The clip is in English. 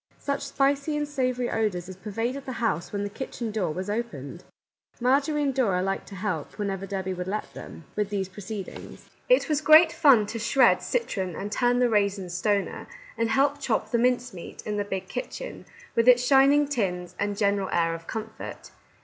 Such spicy and savoury odours as pervaded the house when the kitchen door was opened ! Marjorie and Dora liked to help, whenever Debby would let them, with these 88 Our Little Canadian Cousin proceedings. It was great fun to shred citron and turn the raisin stoner, and help chop the mince meat, in the big kitchen, with its shining tins, and general air of comfort.